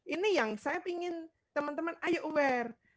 ini yang saya ingin teman teman ayo aware